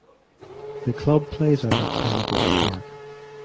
The club plays out of Pembroke Park.